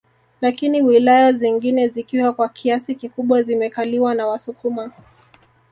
Lakini wilaya zingine zikiwa kwa kiasi kikubwa zimekaliwa na wasukuma